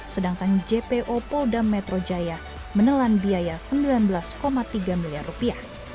sedangkan jpo polda metro jaya menelan biaya sembilan belas tiga miliar rupiah